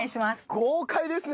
豪快ですね！